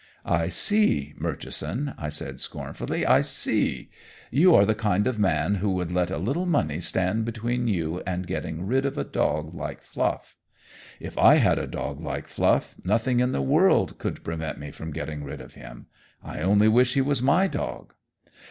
"I see, Murchison," I said scornfully, "I see! You are the kind of a man who would let a little money stand between you and getting rid of a dog like Fluff! If I had a dog like Fluff, nothing in the world could prevent me from getting rid of him. I only wish, he was my dog."